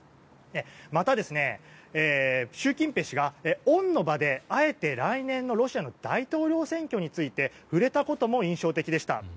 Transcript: また、習近平氏がオンの場であえて来年のロシアの大統領選挙について触れたことも印象的でした。